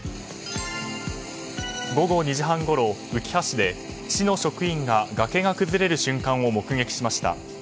午後２時半ごろ、うきは市で市の職員が崖が崩れる瞬間を目撃しました。